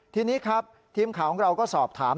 ทีนี้ครับทีมข่าวของเราก็สอบถาม